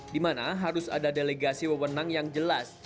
di mana harus ada delegasi wewenang yang jelas